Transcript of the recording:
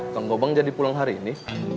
kang gobang jadi pulang hari ini